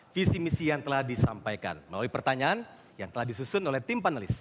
visi misi yang telah disampaikan melalui pertanyaan yang telah disusun oleh tim panelis